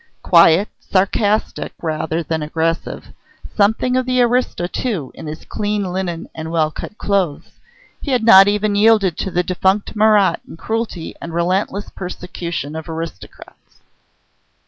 Quiet, sarcastic rather than aggressive, something of the aristo, too, in his clean linen and well cut clothes, he had not even yielded to the defunct Marat in cruelty and relentless persecution of aristocrats.